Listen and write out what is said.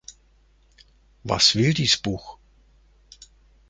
Was will dies Buch?